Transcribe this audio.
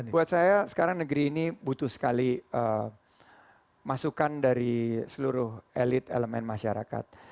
buat saya sekarang negeri ini butuh sekali masukan dari seluruh elit elemen masyarakat